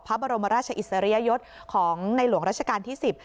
พระบรมราชอิสริยยศของในหลวงราชการที่๑๐